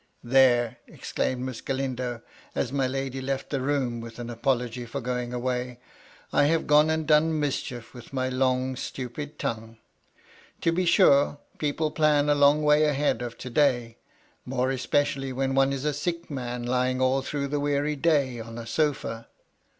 *' There !" exclaimed Miss Galindo, as my lady left the room, with an apology for going away ;" I have gone and done mischief with my long, stupid tongue. To be sure, people plan a long way ahead of to day ; more especially when one is a sick man, lying all through the weary day on a sofa."